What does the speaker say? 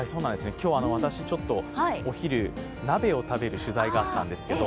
今日、私、お昼、鍋を食べる取材があったんですけど、